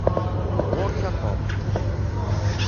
Ɣuṛ-k a Tom.